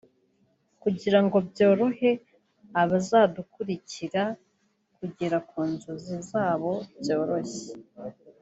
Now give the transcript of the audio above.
kugira ngo byorohere abazadukurikira kugera ku nzozi zabo byoroshye